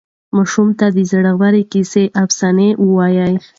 ماشومانو ته د زړې کیسې او افسانې ووایئ.